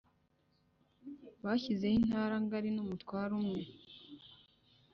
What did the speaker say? Bashyizeho intara ngari n'umutware umwe.